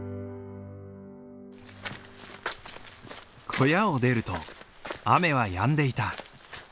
小屋を出ると雨はやんでいた。